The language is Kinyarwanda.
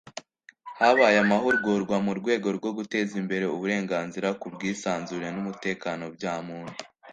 habaye amahugurwa mu rwego rwo guteza imbere uburenganzira ku bwisanzure n’ umutekano bya muntu.